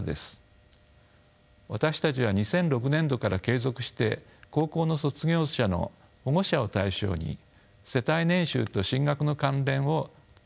私たちは２００６年度から継続して高校の卒業者の保護者を対象に世帯年収と進学の関連を調査してきました。